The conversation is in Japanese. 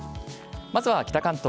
まずは北関東。